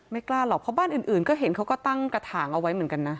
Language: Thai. กล้าหรอกเพราะบ้านอื่นก็เห็นเขาก็ตั้งกระถางเอาไว้เหมือนกันนะ